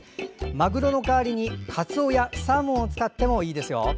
マグロの代わりに、かつおやサーモンを使ってもいいですよ。